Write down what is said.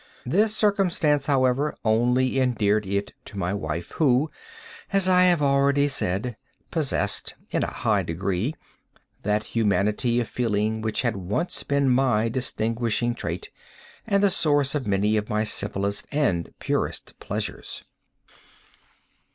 This circumstance, however, only endeared it to my wife, who, as I have already said, possessed, in a high degree, that humanity of feeling which had once been my distinguishing trait, and the source of many of my simplest and purest pleasures.